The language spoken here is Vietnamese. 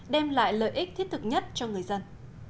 đem lại lợi ích thiết thực nhất cho người dân